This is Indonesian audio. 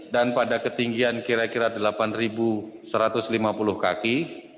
dan pada ketinggian kira kira delapan satu ratus lima puluh kaki